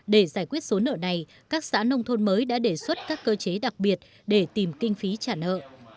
để giải quyết số nợ này các xã nông thôn mới đã đề xuất các cơ chế đặc biệt để tìm kinh phí trả nợ